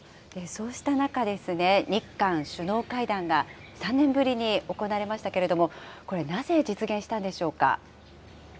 そうした中ですね、日韓首脳会談が３年ぶりに行われましたけれども、これ、なぜ実現